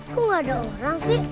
kok gaada orang sih